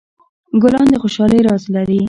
ګلان د خوشحالۍ راز لري.